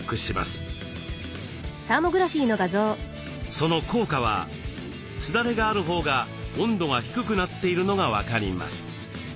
その効果はすだれがあるほうが温度が低くなっているのが分かります。